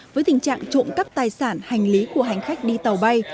với tình trạng trộm cắp tài sản hành lý của hành khách đi tàu bay